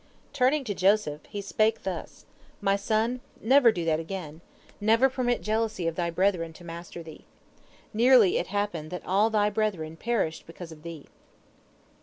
Turning to Joseph, he spake thus, 'My son, never do that again, never permit jealousy of thy brethren to master thee. Nearly it happened that all thy brethren perished because of thee.'